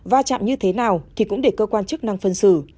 va chạm như thế nào thì cũng để cơ quan chức năng phân xử